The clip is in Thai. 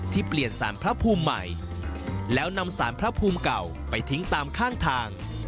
เปลี่ยนสารพระภูมิใหม่แล้วนำสารพระภูมิเก่าไปทิ้งตามข้างทาง